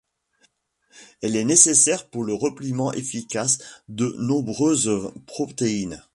Elle est nécessaire pour le repliement efficace de nombreuses protéines.